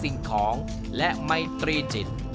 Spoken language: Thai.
สิ่งของและไมตรีจิต